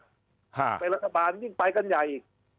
คือเลยกะบานยิ่งไปกันใหญ่